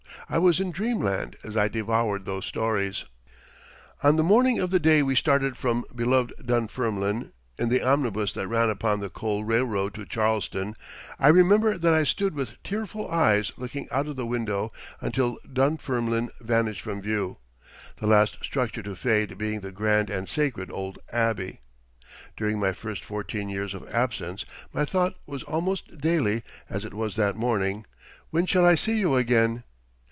I was in dreamland as I devoured those stories. On the morning of the day we started from beloved Dunfermline, in the omnibus that ran upon the coal railroad to Charleston, I remember that I stood with tearful eyes looking out of the window until Dunfermline vanished from view, the last structure to fade being the grand and sacred old Abbey. During my first fourteen years of absence my thought was almost daily, as it was that morning, "When shall I see you again?"